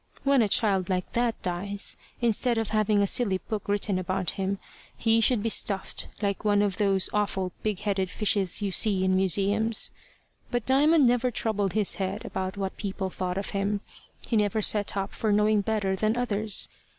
When a child like that dies, instead of having a silly book written about him, he should be stuffed like one of those awful big headed fishes you see in museums. But Diamond never troubled his head about what people thought of him. He never set up for knowing better than others.